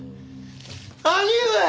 「兄上！